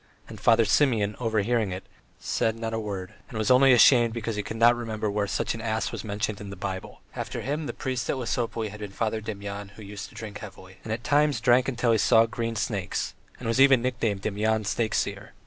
and Father Simeon overhearing it, said not a word, and was only ashamed because he could not remember where such an ass was mentioned in the Bible. After him the priest at Lesopolye had been Father Demyan, who used to drink heavily, and at times drank till he saw green snakes, and was even nicknamed Demyan Snakeseer.